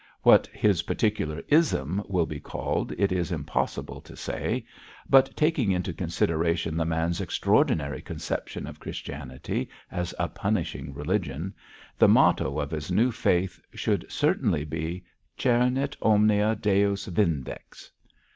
What his particular 'ism' will be called it is impossible to say; but taking into consideration the man's extraordinary conception of Christianity as a punishing religion, the motto of his new faith should certainly be '_Cernit omnia Deus vindex!